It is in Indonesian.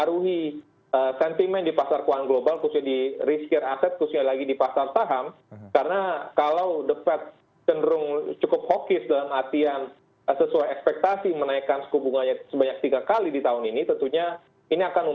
dan ini saya pikir tentunya tekanannya